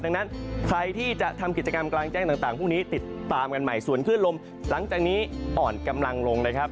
ดังนั้นใครที่จะทำกิจกรรมกลางแจ้งต่างพรุ่งนี้ติดตามกันใหม่ส่วนคลื่นลมหลังจากนี้อ่อนกำลังลงนะครับ